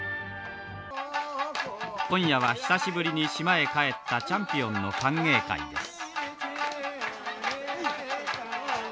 今夜は久しぶりに島へ帰ったチャンピオンの歓迎会です